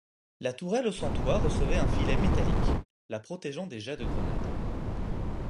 La tourelle sans toit recevait un filet métallique, la protégeant des jets de grenades.